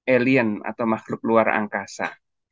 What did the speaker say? alien atau makhluk luar angkasa